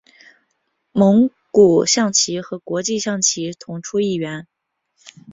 蒙古象棋和国际象棋同出一源。